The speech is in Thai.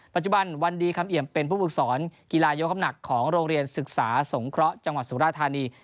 ปัจจุบันวันดีคำเอี่ยมเป็นผู้ปรึกษรกีฬายกข้ำหนักของโรงเรียนศึกษาสงคระจังหวัดศุภาษณีย์